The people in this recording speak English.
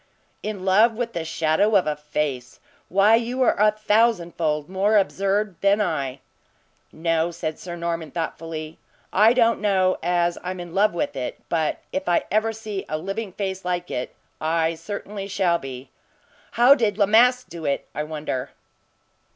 "In love with the shadow of a face! Why, you are a thousandfold more absurd than I." "No," said Sir Norman, thoughtfully, "I don't know as I'm in love with it; but if ever I see a living face like it, I certainly shall be. How did La Masque do it, I wonder?"